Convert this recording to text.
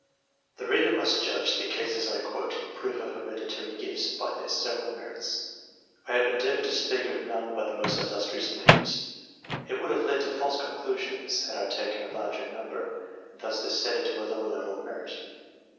The reader himself must judge the cases quoted in proof of hereditary gifts, by their several merits. I have endeavoured to speak of none but the most illustrious names. It would have led to false conclusions, had I taken a larger number, and thus descended to a lower level of merit.